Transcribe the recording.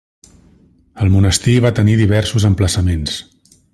El monestir va tenir diversos emplaçaments.